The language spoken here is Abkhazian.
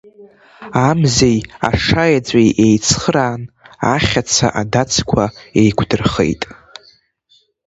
Амзеи Ашаеҵәеи еицхыраан, Ахьаца адацқәа еиқәдырхеит.